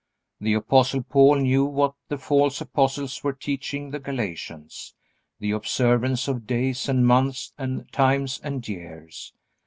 The Apostle Paul knew what the false apostles were teaching the Galatians: The observance of days, and months, and times, and years.